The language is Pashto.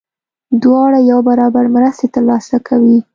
دواړه یو برابر مرستې ترلاسه کوي.